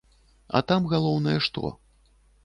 А там галоўнае што?